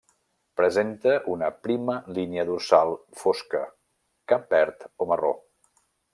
Presenta una prima línia dorsal fosca; cap verd o marró.